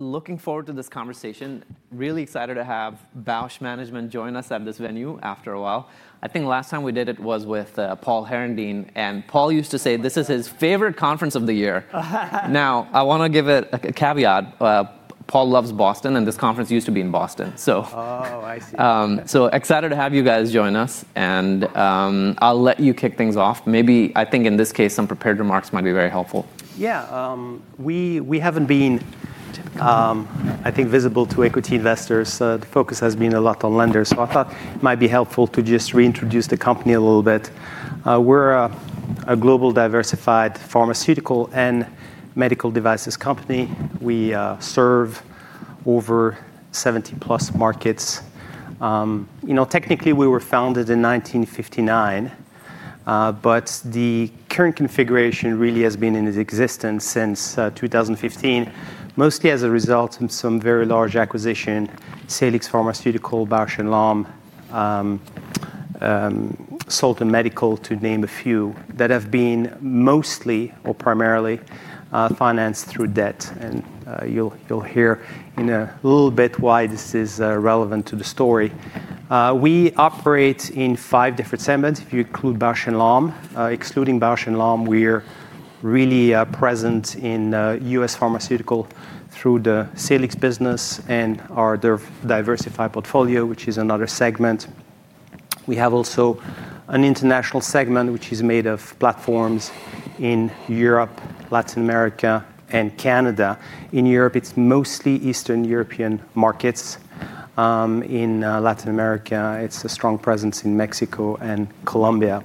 Looking forward to this conversation. Really excited to have Bausch Management join us at this venue after a while. I think last time we did it was with Paul Herendeen, and Paul used to say this is his favorite conference of the year. Now, I want to give it a caveat. Paul loves Boston, and this conference used to be in Boston. Oh, I see. Excited to have you guys join us. I'll let you kick things off. Maybe, I think in this case, some prepared remarks might be very helpful. Yeah. We have not been, I think, visible to equity investors. The focus has been a lot on lenders. I thought it might be helpful to just reintroduce the company a little bit. We are a global diversified pharmaceutical and medical devices company. We serve over 70+ markets. Technically, we were founded in 1959, but the current configuration really has been in existence since 2015, mostly as a result of some very large acquisitions: Salix Pharmaceuticals, Bausch + Lomb, Solta Medical, to name a few, that have been mostly or primarily financed through debt. You will hear in a little bit why this is relevant to the story. We operate in five different segments, if you include Bausch + Lomb. Excluding Bausch + Lomb, we are really present in U.S. pharmaceuticals through the Salix business and our diversified portfolio, which is another segment. We have also an international segment, which is made of platforms in Europe, Latin America, and Canada. In Europe, it's mostly Eastern European markets. In Latin America, it's a strong presence in Mexico and Colombia.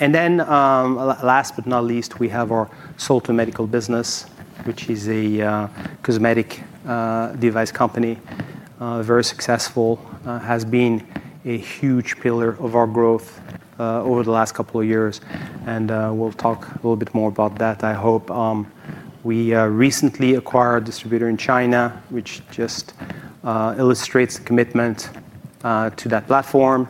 Last but not least, we have our Solta Medical business, which is a cosmetic device company, very successful, has been a huge pillar of our growth over the last couple of years. We'll talk a little bit more about that, I hope. We recently acquired a distributor in China, which just illustrates the commitment to that platform.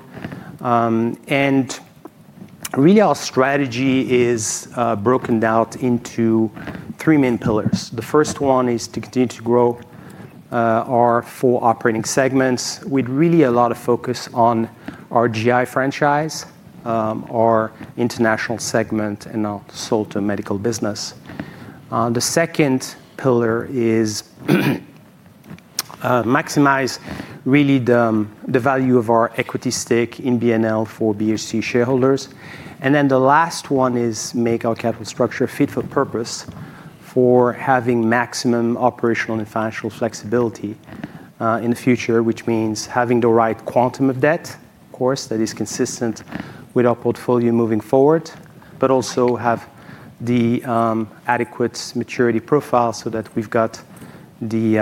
Really, our strategy is broken down into three main pillars. The first one is to continue to grow our four operating segments with really a lot of focus on our GI franchise, our international segment, and our Solta Medical business. The second pillar is to maximize really the value of our equity stake in B&L for Bausch shareholders. The last one is to make our capital structure fit for purpose for having maximum operational and financial flexibility in the future, which means having the right quantum of debt, of course, that is consistent with our portfolio moving forward, but also have the adequate maturity profile so that we've got the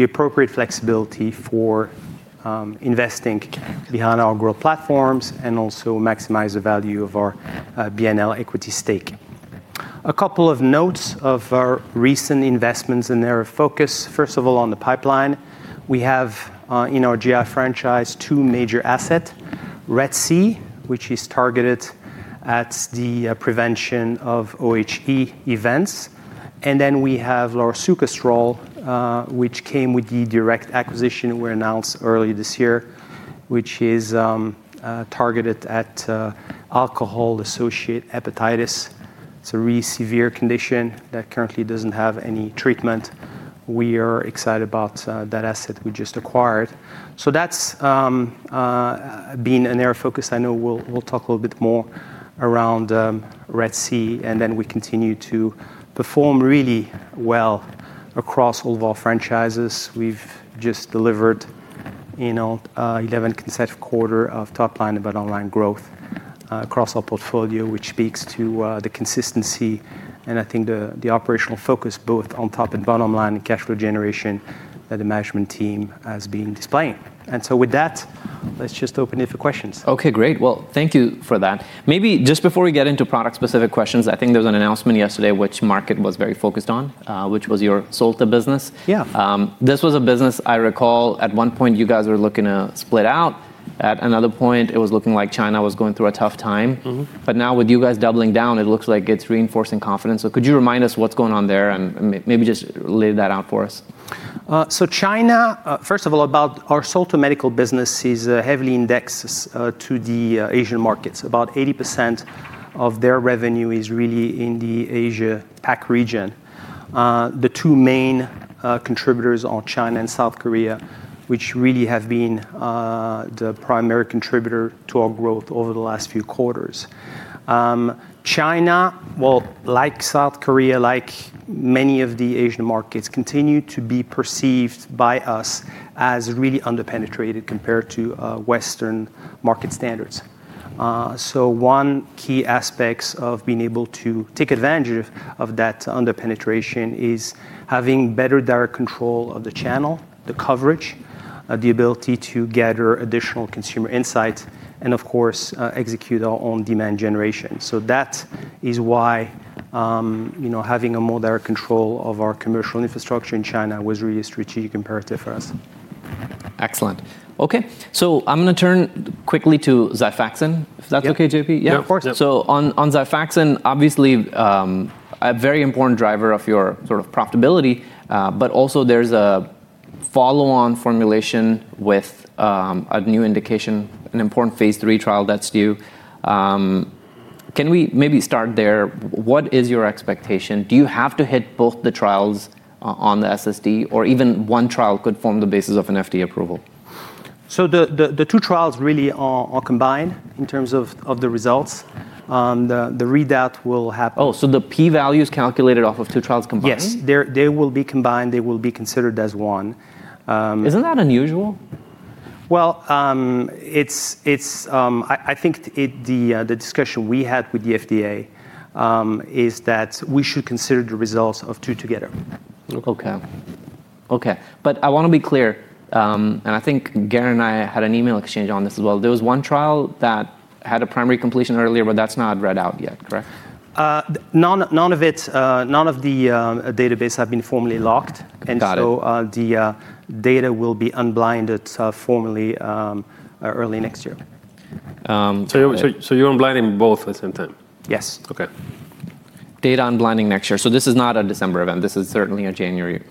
appropriate flexibility for investing behind our growth platforms and also maximize the value of our B&L equity stake. A couple of notes of our recent investments and their focus, first of all, on the pipeline. We have in our GI franchise two major assets: RED-C, which is targeted at the prevention of OHE events. We have larsucosterol, which came with the DURECT acquisition we announced earlier this year, which is targeted at alcohol-associated hepatitis. It's a really severe condition that currently doesn't have any treatment. We are excited about that asset we just acquired. That's been in our focus. I know we'll talk a little bit more around RED-C, and we continue to perform really well across all of our franchises. We've just delivered 11 consecutive quarters of top line and bottom line growth across our portfolio, which speaks to the consistency and I think the operational focus both on top and bottom line in cash flow generation that the management team has been displaying. With that, let's just open it for questions. OK, great. Thank you for that. Maybe just before we get into product-specific questions, I think there was an announcement yesterday which market was very focused on, which was your Solta business. Yeah. This was a business I recall at one point you guys were looking to split out. At another point, it was looking like China was going through a tough time. Now with you guys doubling down, it looks like it is reinforcing confidence. Could you remind us what is going on there and maybe just lay that out for us? China, first of all, about our Solta Medical business is heavily indexed to the Asian markets. About 80% of their revenue is really in the Asia-Pac region. The two main contributors are China and South Korea, which really have been the primary contributor to our growth over the last few quarters. China, like South Korea, like many of the Asian markets, continue to be perceived by us as really underpenetrated compared to Western market standards. One key aspect of being able to take advantage of that underpenetration is having better direct control of the channel, the coverage, the ability to gather additional consumer insight, and of course, execute our own demand generation. That is why having a more direct control of our commercial infrastructure in China was really a strategic imperative for us. Excellent. OK, so I'm going to turn quickly to XIFAXAN, if that's OK, JP? Yeah, of course. On XIFAXAN, obviously, a very important driver of your sort of profitability, but also there's a follow-on formulation with a new indication, an important phase III trial that's due. Can we maybe start there? What is your expectation? Do you have to hit both the trials on the SSD, or even one trial could form the basis of an FDA approval? The two trials really are combined in terms of the results. The readout will happen. Oh, so the p-value is calculated off of two trials combined? Yes. They will be combined. They will be considered as one. Isn't that unusual? I think the discussion we had with the FDA is that we should consider the results of two together. OK. OK, but I want to be clear, and I think Garen and I had an email exchange on this as well. There was one trial that had a primary completion earlier, but that's not read out yet, correct? None of the databases have been formally locked. Got it. The data will be unblinded formally early next year. You're unblinding both at the same time? Yes. OK. Data unblinding next year. This is not a December event. This is certainly a January.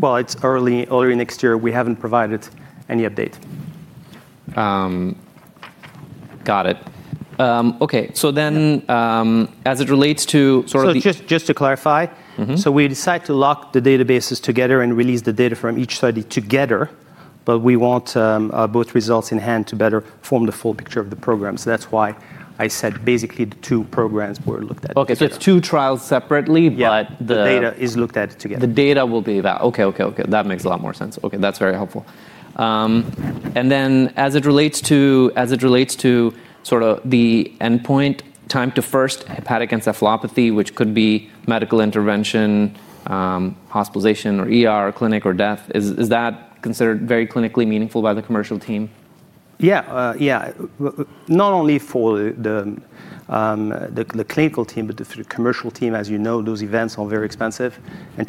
It is early next year. We have not provided any update. Got it. OK, so then as it relates to sort of the. Just to clarify, we decide to lock the databases together and release the data from each study together, but we want both results in hand to better form the full picture of the programs. That's why I said basically the two programs were looked at. OK, so it's two trials separately, but the data is looked at together. The data will be that. OK, OK, OK. That makes a lot more sense. OK, that's very helpful. As it relates to sort of the endpoint, time to first hepatic encephalopathy, which could be medical intervention, hospitalization, or clinic, or death, is that considered very clinically meaningful by the commercial team? Yeah, yeah, not only for the clinical team, but the commercial team, as you know, those events are very expensive.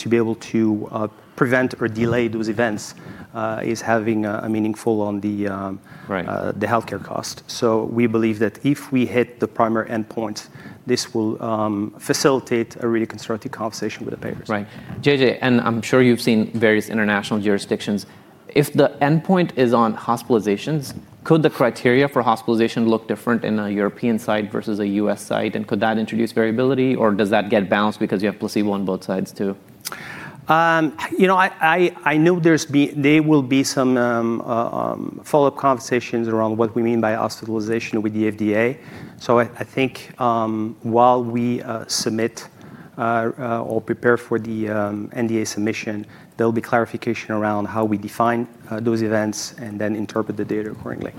To be able to prevent or delay those events is having a meaningful impact on the health care cost. We believe that if we hit the primary endpoint, this will facilitate a really constructive conversation with the payers. Right. JJ, and I'm sure you've seen various international jurisdictions. If the endpoint is on hospitalizations, could the criteria for hospitalization look different in a European site versus a U.S. site? Could that introduce variability, or does that get balanced because you have placebo on both sides too? You know, I know there will be some follow-up conversations around what we mean by hospitalization with the FDA. I think while we submit or prepare for the NDA submission, there will be clarification around how we define those events and then interpret the data accordingly.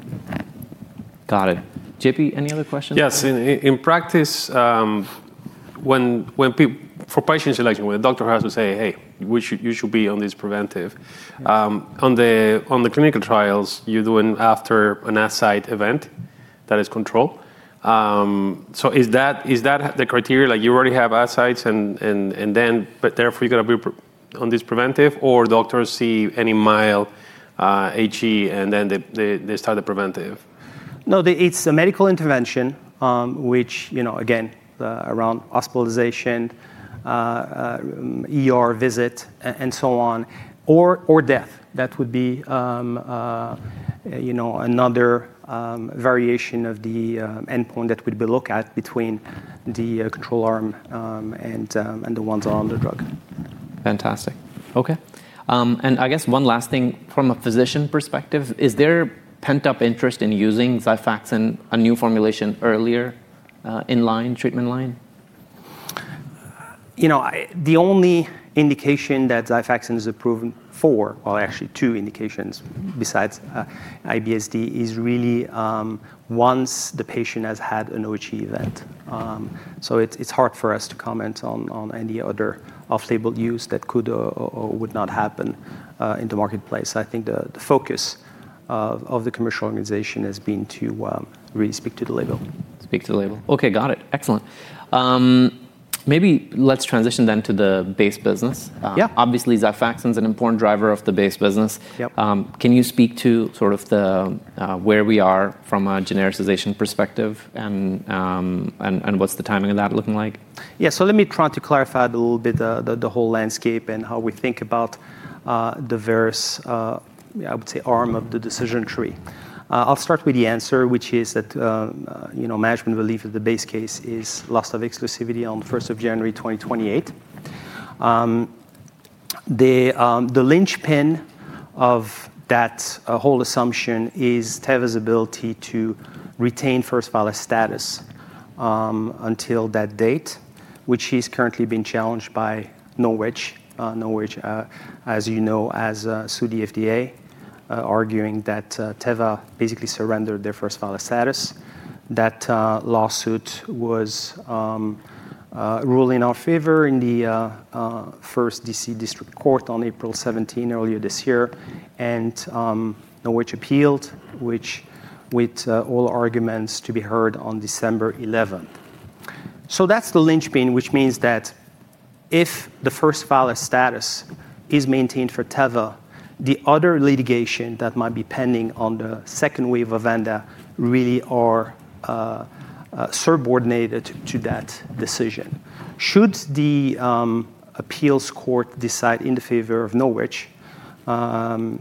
Got it. JP, any other questions? Yes. In practice, for patient selection, when a doctor has to say, hey, you should be on this preventive, on the clinical trials, you're doing after an outside event that is controlled. Is that the criteria? Like you already have outsides, and then therefore you're going to be on this preventive, or doctors see any mild HE, and then they start the preventive? No, it's the medical intervention, which, again, around hospitalization, visit, and so on, or death. That would be another variation of the endpoint that would be looked at between the control arm and the ones on the drug. Fantastic. OK, and I guess one last thing from a physician perspective, is there pent-up interest in using XIFAXAN, a new formulation, earlier in line, treatment line? You know, the only indication that XIFAXAN is approved for, actually two indications besides IBSD, is really once the patient has had an OHE event. It is hard for us to comment on any other off-label use that could or would not happen in the marketplace. I think the focus of the commercial organization has been to really speak to the label. Speak to the label. OK, got it. Excellent. Maybe let's transition then to the base business. Yeah. Obviously, XIFAXAN is an important driver of the base business. Yep. Can you speak to sort of where we are from a genericization perspective, and what's the timing of that looking like? Yeah, so let me try to clarify a little bit the whole landscape and how we think about the various, I would say, arm of the decision tree. I'll start with the answer, which is that management believes that the base case is loss of exclusivity on the 1st of January 2028. The linchpin of that whole assumption is Teva's ability to retain first filer status until that date, which is currently being challenged by Norwich, as you know, has sued the FDA, arguing that Teva basically surrendered their first filer status. That lawsuit was ruled in our favor in the first D.C. District Court on April 17 earlier this year, and Norwich appealed, with all arguments to be heard on December 11th. That's the linchpin, which means that if the first filer status is maintained for Teva, the other litigation that might be pending on the second wave of Vanda really are subordinated to that decision. Should the appeals court decide in favor of Norwich, then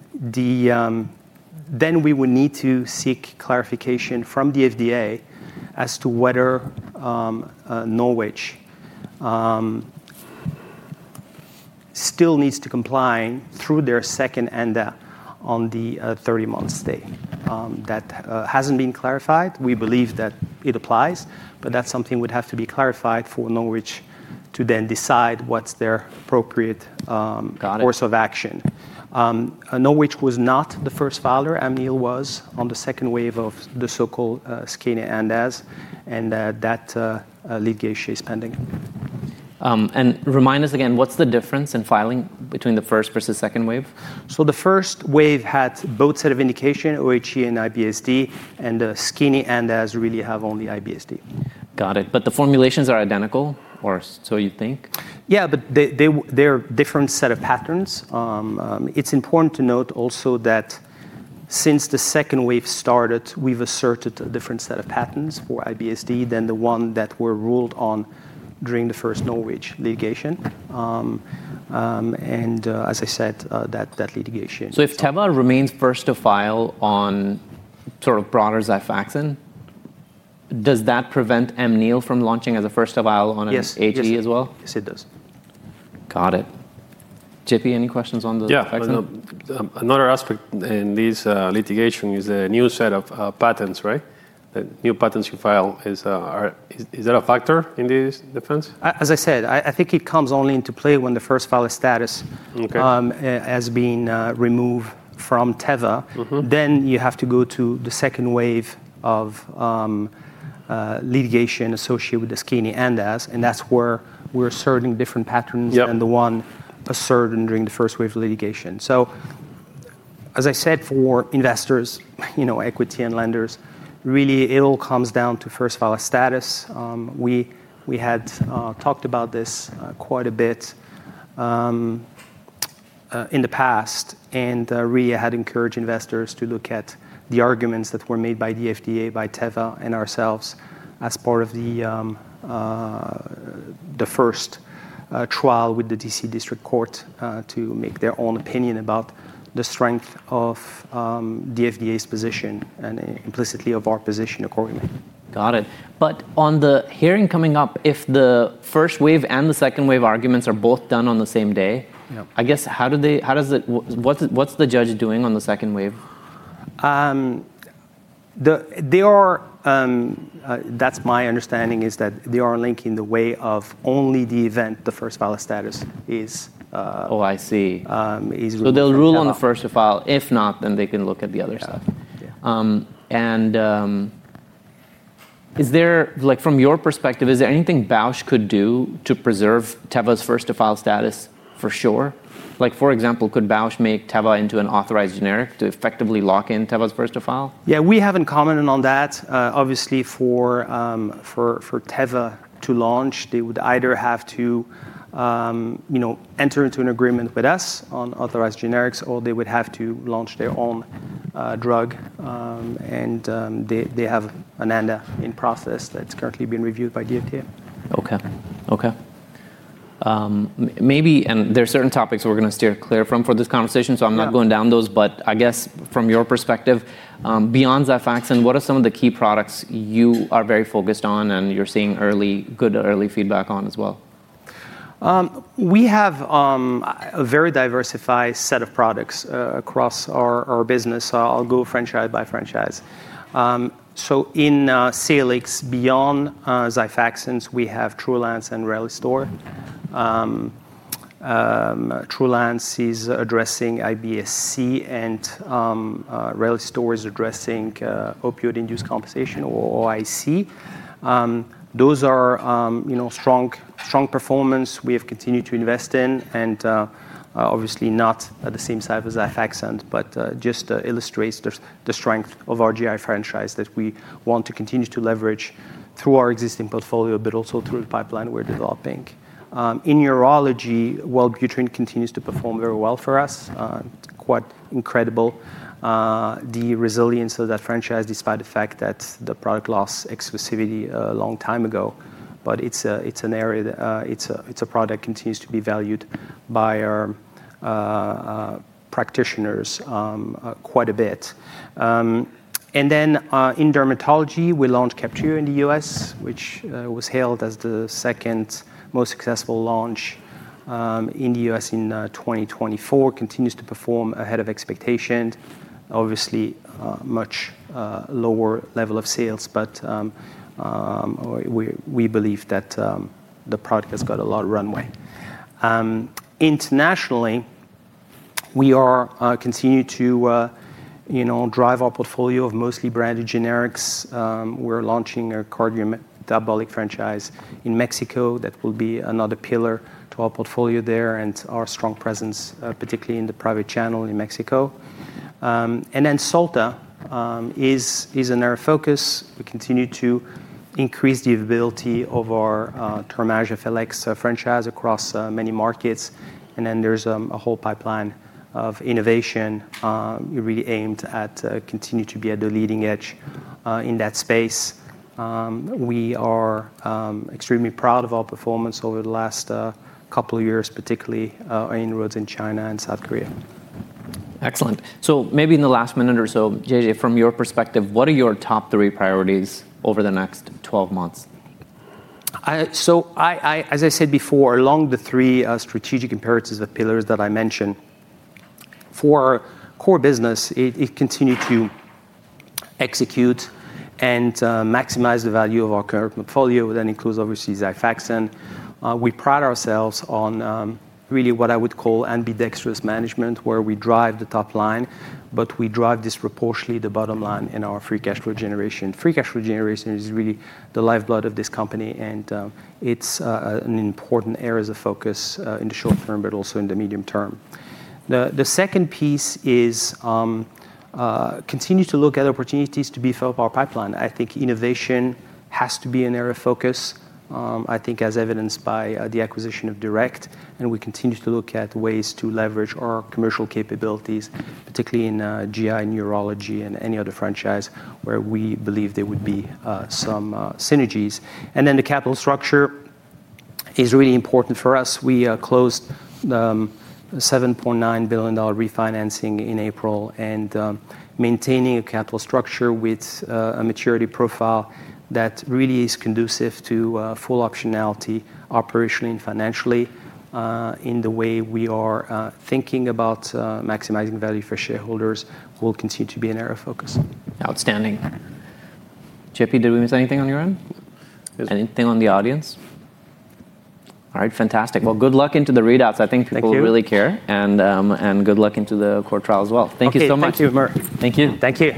we would need to seek clarification from the FDA as to whether Norwich still needs to comply through their second NDA on the 30-month stay. That has not been clarified. We believe that it applies, but that's something that would have to be clarified for Norwich to then decide what's their appropriate course of action. Got it. Norwich was not the first filer. Amneal was on the second wave of the so-called skinny NDAs, and that litigation is pending. Remind us again, what's the difference in filing between the first versus second wave? The first wave had both sets of indication, OHE and IBSD, and the skinny NDAs really have only IBSD. Got it. The formulations are identical, or so you think? Yeah, but they're a different set of patents. It's important to note also that since the second wave started, we've asserted a different set of patents for IBSD than the ones that were ruled on during the first Norwich litigation. As I said, that litigation. If Teva remains first of file on sort of broader XIFAXAN, does that prevent Amneal from launching as a first of file on an HE as well? Yes, it does. Got it. JP, any questions on the XIFAXAN? Another aspect in this litigation is a new set of patents, right? The new patents you file, is that a factor in this defense? As I said, I think it comes only into play when the first filer status has been removed from Teva. You have to go to the second wave of litigation associated with the skinny NDAs, and that is where we are asserting different patents than the one asserted during the first wave of litigation. As I said, for investors, equity, and lenders, really it all comes down to first filer status. We had talked about this quite a bit in the past, and really I had encouraged investors to look at the arguments that were made by the FDA, by Teva, and ourselves as part of the first trial with the D.C. District Court to make their own opinion about the strength of the FDA's position and implicitly of our position accordingly. Got it. On the hearing coming up, if the first wave and the second wave arguments are both done on the same day, I guess how does the judge do on the second wave? That's my understanding, is that they are linking the way of only the event the first filer status is. Oh, I see. They'll rule on the first filer. If not, then they can look at the other stuff. Yeah. From your perspective, is there anything Bausch could do to preserve Teva's first of file status for sure? Like, for example, could Bausch make Teva into an authorized generic to effectively lock in Teva's first of file? Yeah, we have in common on that. Obviously, for Teva to launch, they would either have to enter into an agreement with us on authorized generics, or they would have to launch their own drug. They have an NDA in process that's currently being reviewed by the FDA. OK, OK. Maybe, and there are certain topics we're going to steer clear from for this conversation, so I'm not going down those. I guess from your perspective, beyond XIFAXAN, what are some of the key products you are very focused on and you're seeing good early feedback on as well? We have a very diversified set of products across our business. I'll go franchise by franchise. In Salix, beyond XIFAXAN, we have TRULANCE and RELISTOR. TRULANCE is addressing IBS-C, and RELISTOR is addressing opioid-induced constipation, or OIC. Those are strong performance we have continued to invest in, and obviously not at the same size as XIFAXAN, but just illustrates the strength of our GI franchise that we want to continue to leverage through our existing portfolio, but also through the pipeline we're developing. In neurology, Wellbutrin continues to perform very well for us. It's quite incredible the resilience of that franchise despite the fact that the product lost exclusivity a long time ago. It is an area that a product continues to be valued by our practitioners quite a bit. In dermatology, we launched Cabtreo in the U.S., which was hailed as the second most successful launch in the U.S. in 2024. It continues to perform ahead of expectations, obviously at a much lower level of sales, but we believe that the product has got a lot of runway. Internationally, we continue to drive our portfolio of mostly branded generics. We are launching a cardiometabolic franchise in Mexico that will be another pillar to our portfolio there and our strong presence, particularly in the private channel in Mexico. Solta is another focus. We continue to increase the availability of our Thermage FLX franchise across many markets. There is a whole pipeline of innovation really aimed at continuing to be at the leading edge in that space. We are extremely proud of our performance over the last couple of years, particularly inroads in China and South Korea. Excellent. Maybe in the last minute or so, JJ, from your perspective, what are your top three priorities over the next 12 months? As I said before, along the three strategic imperatives or pillars that I mentioned, for our core business, it continued to execute and maximize the value of our current portfolio. That includes, obviously, XIFAXAN. We pride ourselves on really what I would call ambidextrous management, where we drive the top line, but we drive disproportionately the bottom line in our free cash flow generation. Free cash flow generation is really the lifeblood of this company, and it's an important area of focus in the short term, but also in the medium term. The second piece is continue to look at opportunities to beef up our pipeline. I think innovation has to be an area of focus, I think as evidenced by the acquisition of DURECT Corporation. We continue to look at ways to leverage our commercial capabilities, particularly in GI and urology and any other franchise, where we believe there would be some synergies. The capital structure is really important for us. We closed $7.9 billion refinancing in April, and maintaining a capital structure with a maturity profile that really is conducive to full optionality operationally and financially in the way we are thinking about maximizing value for shareholders will continue to be an area of focus. Outstanding. JP, did we miss anything on your end? Anything on the audience? All right, fantastic. Good luck into the readouts. I think people really care. Thank you. Good luck into the court trial as well. Thank you. Thank you so much. Thank you, Mark. Thank you. Thank you.